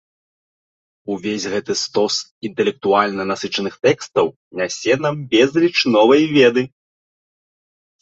Увесь гэты стос інтэлектуальна насычаных тэкстаў нясе нам безліч новай веды.